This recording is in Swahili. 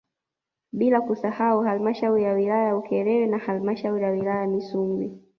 Bila kusahau halmashauri ya wilaya ya Ukerewe na halmashauri ya wilaya ya Misungwi